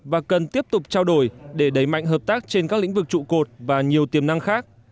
và cần tiếp tục trao đổi để đẩy mạnh hợp tác trên các lĩnh vực trụ cột và nhiều tiềm năng khác